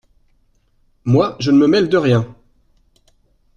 Moi, je ne me mêle de rien !